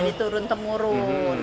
jadi turun kemurun